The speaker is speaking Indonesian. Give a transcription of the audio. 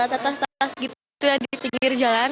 tas tas tas gitu ya di pinggir jalan